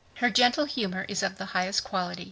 Her gentle humor is of the highest quality.